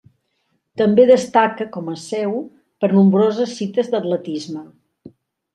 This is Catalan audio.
També destaca com a seu per nombroses cites d'atletisme.